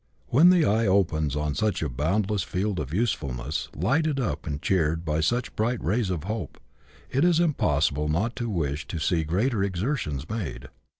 When the eye opens on such a boundless field of usefulness, lighted up and cheered by such bright rays of hope, it is impos sible not to wish to see greater exertions made.